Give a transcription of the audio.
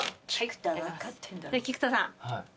菊田さん。